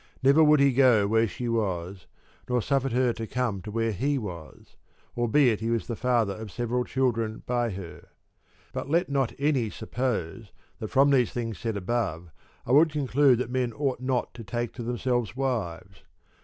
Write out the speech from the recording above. never would he go where she was, nor suffered her to come to where he was, albeit he was the father of several child ren by her. But let not any suppose that from the things said above I would conclude that men ought not to take to themselves wives.